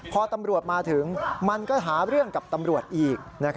พอตำรวจมาถึงมันก็หาเรื่องกับตำรวจอีก